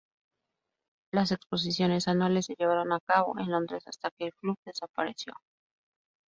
Las exposiciones anuales se llevaron a cabo en Londres hasta que el club desapareció.